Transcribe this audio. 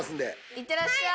行ってらっしゃい！